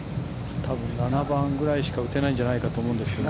多分７番ぐらいしか打てないんじゃないかと思うんですけどね。